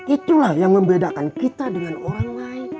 itulah yang membedakan kita dengan orang lain